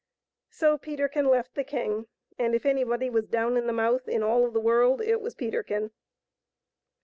So Peterkin left the king, and if anybody was down in the mouth in all of the world it was Peterkin.